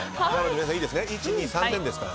皆さん、いいですね。